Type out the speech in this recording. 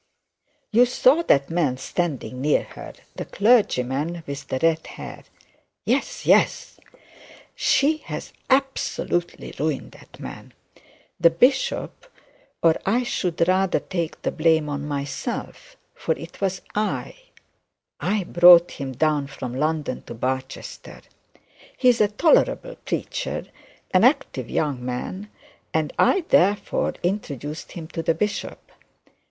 'You saw that man standing near her, the clergyman with the red hair?' 'Yes, yes.' 'She has absolutely ruined that man. The bishop, or I should rather take the blame on myself, for it was I, I brought him down from London to Barchester. He is a tolerable preacher, an active young man, and I therefore introduced him to the bishop.